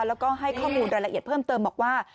แล้วก็ให้ข้อมูลรายละเอียดเพิ่มเติมบอกว่า